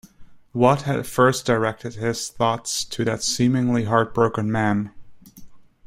What had first directed his thoughts to that seemingly heart-broken man?